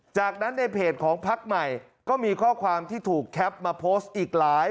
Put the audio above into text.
จากนั้นในเพจของพักใหม่ก็มีข้อความที่ถูกแคปมาโพสต์อีกหลาย